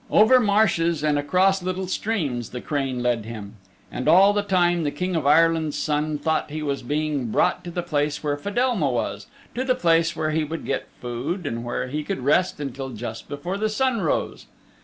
Over marshes and across little streams the crane led him. And all the time the King of Ireland's Son thought he was being brought to the place where Fedelma was to the place where he would get food and where he could rest until just before the sun rose.